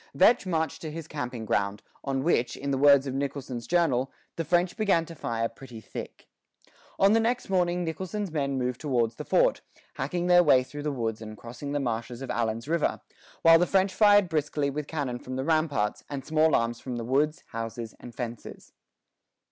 Vetch marched to his camping ground, on which, in the words of Nicholson's journal, "the French began to fire pretty thick." On the next morning Nicholson's men moved towards the fort, hacking their way through the woods and crossing the marshes of Allen's River, while the French fired briskly with cannon from the ramparts, and small arms from the woods, houses, and fences.